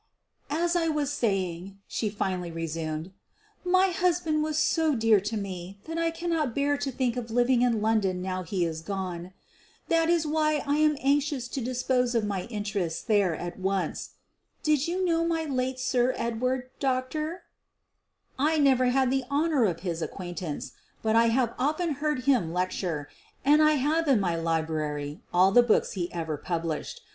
"As I was saying/ ' she finally resumed, "my hus band was so dear to me that I cannot bear to think of living in London now he is gone. That is why I am anxious to dispose of my interests there at once. Did you know the late Sir Edward, doctor f " 1 ' I never had the honor of his acquaintance, but I have often heard him lecture, and I have in my library all the books he ever published.